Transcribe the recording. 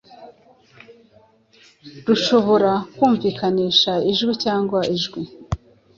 rushobora kumvikanisha ijwi cyangwa ijwi,